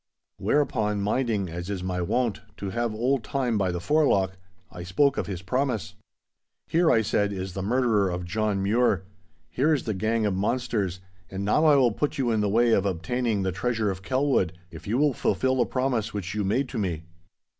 Whereupon, minding, as is my wont, to have old Time by the forelock, I spoke of his promise. 'Here,' I said, 'is the murderer John Mure. Here is the gang of monsters, and now I will put you in the way of obtaining the Treasure of Kelwood, if you will fulfil the promise which you made to me.